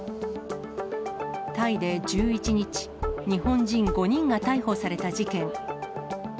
タイで１１日、日本人５人が逮捕された事件。